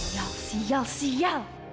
sial sial sial